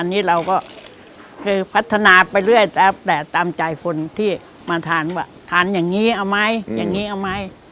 อันนี้เราก็คือพัฒนาไปเรื่อยแต่ตามใจคนที่มาทานว่าทานอย่างนี้เอาไหมอย่างนี้เอาไหม